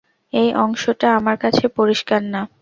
এই অংশটা আমার কাছে পরিষ্কার না।